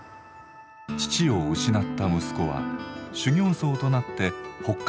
父を失った息子は修行僧となって北海道に渡ります。